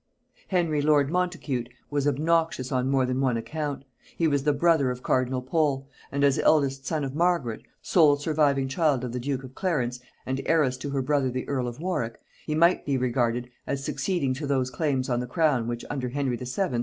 Henry lord Montacute was obnoxious on more than one account: he was the brother of cardinal Pole; and as eldest son of Margaret, sole surviving child of the duke of Clarence and heiress to her brother the earl of Warwick, he might be regarded as succeeding to those claims on the crown which under Henry VII.